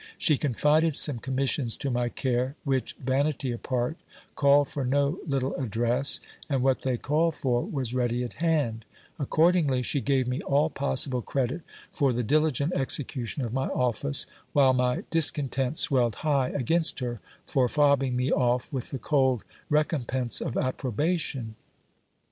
She confided some commissions to my care, which, vanity apart, called for no little address, and what they called for was ready at hand : accordingly, she gave me all possible credit for the diligent execution of my office, while my dis content swelled high against her for fobbing me off with the cold recompense of approbation.